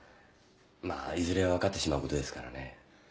まぁいずれは分かってしまうことですからね。